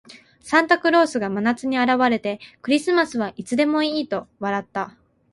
サンタクロースが真夏に現れて、「クリスマスはいつでもいい」と笑った。